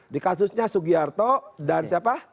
di kasusnya sugiarto dan siapa